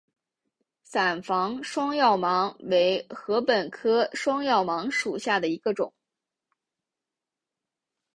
伞房双药芒为禾本科双药芒属下的一个种。